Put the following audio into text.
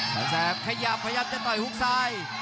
แสนแสบขยับพยายามจะต่อยหุกซ้าย